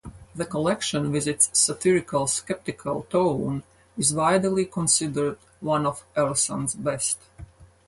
The collection, with its satirical, skeptical tone, is widely considered one of Ellison's best.